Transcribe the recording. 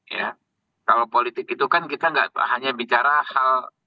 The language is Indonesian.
ya kalau politik itu kan kita nggak hanya bicara hal